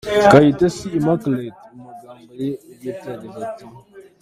Kayitesi Immaculate mu magambo ye bwite yagize ati:�?